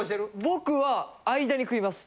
僕は間に食います。